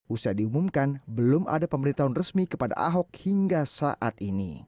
usai diumumkan belum ada pemberitahuan resmi kepada ahok hingga saat ini